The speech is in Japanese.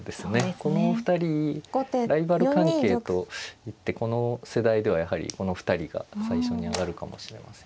このお二人ライバル関係といってこの世代ではやはりこの２人が最初に挙がるかもしれません。